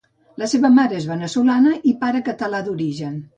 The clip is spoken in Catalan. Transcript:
La seva mare és veneçolana i pare català d'origen.